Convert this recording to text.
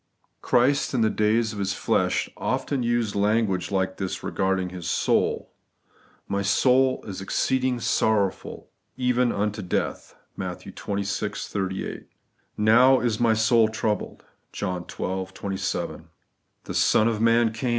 Christ, in the days of His flesh, often used language like this regarding His soul :' My soul is exceeding sorrowful, even unto death' (Matt. xxvi. 38) ; 'Now is my soul troubled' (John xii. 27); 'The Son of man came